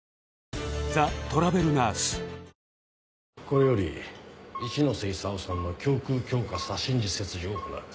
これより一ノ瀬勲さんの胸腔鏡下左心耳切除を行う。